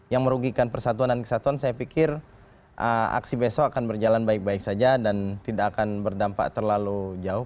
yang merugikan persatuan dan kesatuan saya pikir aksi besok akan berjalan baik baik saja dan tidak akan berdampak terlalu jauh